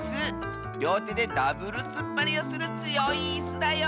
りょうてでダブルつっぱりをするつよいイスだよ！